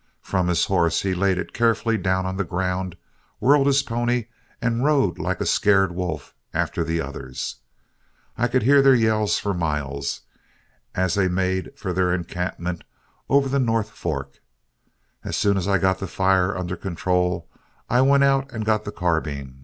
From his horse he laid it carefully down on the ground, whirled his pony, and rode like a scared wolf after the others. I could hear their yells for miles, as they made for their encampment over on the North Fork. As soon as I got the fire under control, I went out and got the carbine.